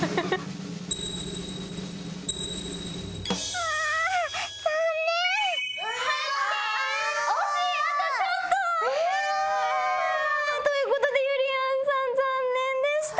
あということでゆりやんさん残念でした。